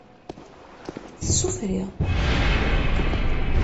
Tsufri.